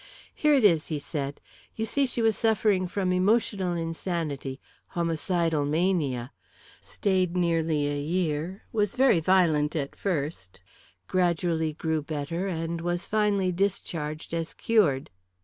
"Here it is," he said. "You see, she was suffering from emotional insanity homicidal mania stayed nearly a year was very violent at first gradually grew better and was finally discharged as cured.